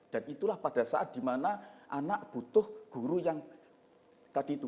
dan itulah pada saat dimana anak butuh guru yang tadi itu